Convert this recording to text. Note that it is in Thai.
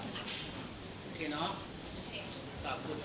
เราเป็นเครื่องสบายประโยชน์